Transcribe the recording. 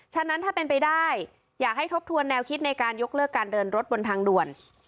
ฉะนั้นถ้าเป็นไปได้อยากให้ทบทวนแนวคิดในการยกเลิกการเดินรถบนทางด่วน